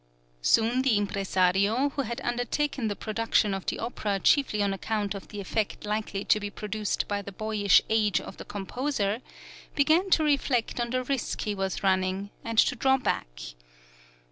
Soon the impresario, who had undertaken the production of the opera chiefly on account of the effect likely to be produced by the boyish age of the composer, began to reflect on {THE FIRST OPERA IN VIENNA.} (72) the risk he was running, and to draw back.